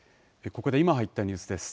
ここで今入ったニュースです。